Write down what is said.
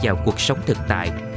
đi vào cuộc sống thực tại